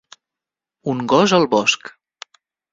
Un gos al bosc.